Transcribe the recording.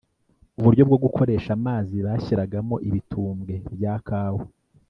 uburyo bwo gukoresha amazi bashyiragamo ibitumbwe bya kawa